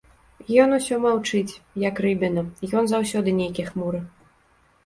Ён усё маўчыць, як рыбіна, ён заўсёды нейкі хмуры.